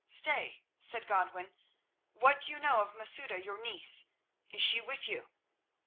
"Stay," said Godwin. "What do you know of Masouda, your niece? Is she with you?"